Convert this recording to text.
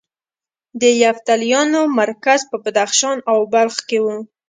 د یفتلیانو مرکز په بدخشان او بلخ کې و